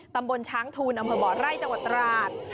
ตำบลช้างทูลอำเภอบ่อไร่จังหวัดตราด